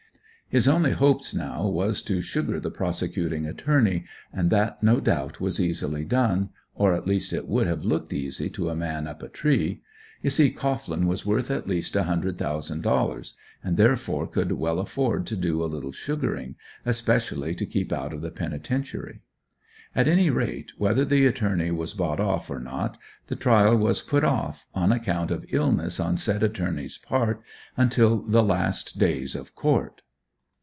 His only hopes now was to "sugar" the prosecuting Attorney, and that no doubt was easily done, or at least it would have looked easy to a man up a tree. You see Cohglin was worth at least a hundred thousand dollars, and therefore could well afford to do a little sugaring, especially to keep out of the Penitentiary. At any rate whether the Attorney was bought off or not, the trial was put off, on account of illness on said Attorney's part, until the last days of court.